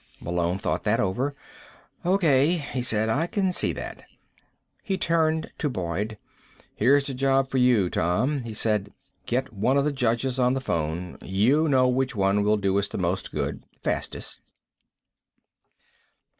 Malone thought that over. "O.K.," he said at last. "I can see that." He turned to Boyd. "Here's a job for you, Tom," he said. "Get one of the judges on the phone. You'll know which one will do us the most good, fastest."